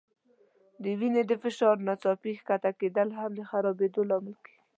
د وینې د فشار ناڅاپي ښکته کېدل هم د خرابېدو لامل کېږي.